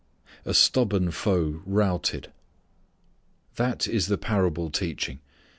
A Stubborn Foe Routed. That is the parable teaching.